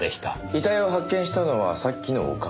遺体を発見したのはさっきの女将。